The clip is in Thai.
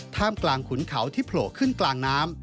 ท่ามกลางขุนเขาที่โผล่ขึ้นกลางน้ำ